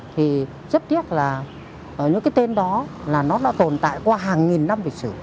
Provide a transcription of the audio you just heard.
thì rất tiếc là những cái tên đó là nó đã tồn tại qua hàng nghìn năm lịch sử